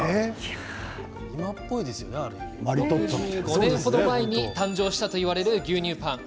６５年程前に誕生したといわれる牛乳パン。